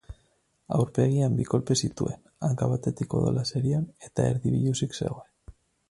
Aurpegian bi kolpe zituen, hanka batetik odola zerion eta erdi biluzik zegoen.